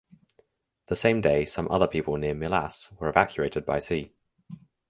The same day some other people near Milas were evacuated by sea.